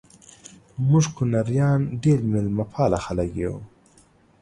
مونږ کونړیان ډیر میلمه پاله خلک یو